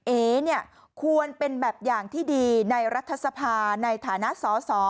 เอ๊ควรเป็นแบบอย่างที่ดีในรัฐศพาในฐานะสอ